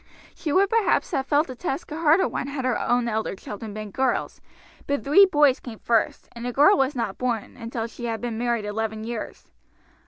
She would perhaps have felt the task a harder one had her own elder children been girls; but three boys came first, and a girl was not born until she had been married eleven years.